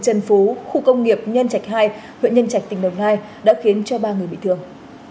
trần phú khu công nghiệp nhân trạch hai huyện nhân trạch tỉnh đồng nai đã khiến cho ba người bị thương